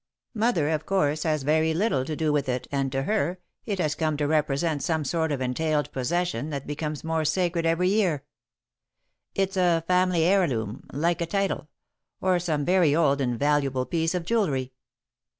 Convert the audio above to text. "Mother, of course, has very little to do with it, and, to her, it has come to represent some sort of entailed possession that becomes more sacred every year. It's a family heirloom, like a title, or some very old and valuable piece of jewelry.